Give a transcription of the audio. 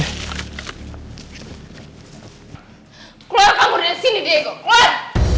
keluar kamu dari sini diego keluar